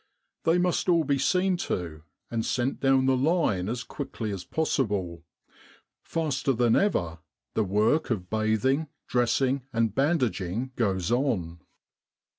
They must all be seen to, and sent down the line as quickly as possible : faster than 61 With the R.A.M.C. in Egypt ever the work of bathing, dressing, and bandaging goes on.